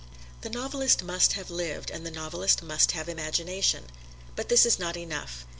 The novelist must have lived, and the novelist must have imagination. But this is not enough.